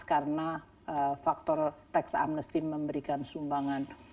karena faktor tax amnesty memberikan sumbangan